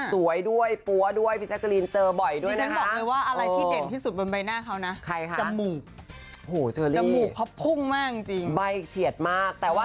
สวยด้วยปั้วด้วยปีซี่แอคกลีนเจอกล่อยด้วยนะคะ